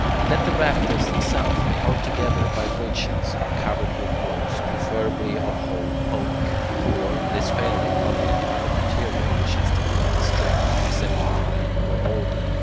Let the rafters themselves be held together by bridgings, and covered with boards, preferably of holm oak, or, this failing, of any other material which has the greatest strength, except pine or alder.